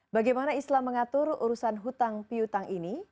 bagaimana islam mengatur urusan hutang piutang ini